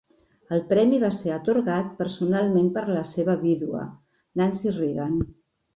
El premi va ser atorgat personalment per la seva vídua, Nancy Reagan.